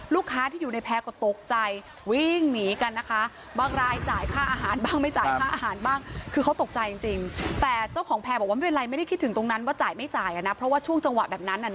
ลูกค้าที่อยู่ในแพรก็ตกใจวิ่งหนีกันนะคะ